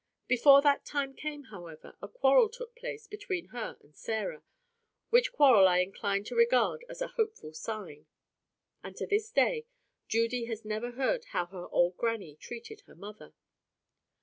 Before that time came, however, a quarrel took place between her and Sarah, which quarrel I incline to regard as a hopeful sign. And to this day Judy has never heard how her old grannie treated her mother.